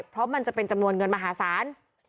เพราะมันจะเป็นจำนวนเงินมหาศาล